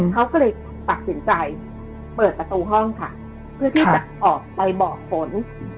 เขาก็เลยตัดสินใจเปิดประตูห้องค่ะเพื่อที่จะออกไปบอกฝน